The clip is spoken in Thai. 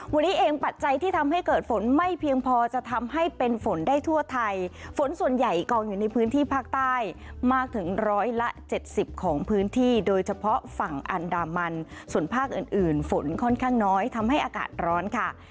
วันนี้เองปัจจัยที่ทำให้เกิดฝนไม่เพียงพอจะทำให้เป็นฝนได้ทั่วไทยฝนส่วนใหญ่กองอยู่ในพื้นที่ภาคใต้มากถึงร้อยละเจ็ดสิบของพื้นที่โดยเฉพาะฝั่งอันดามันส่วนภาคอื่นอื่นฝนค่อนข้างน้อยทำให้อากาศร้อนค่ะ